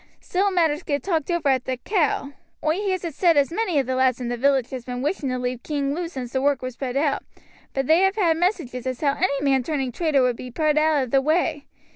Still matters get talked over at the 'Cow.' Oi hears it said as many of the lads in the village has been wishing to leave King Lud since the work was put out, but they have had messages as how any man turning traitor would be put out of the way.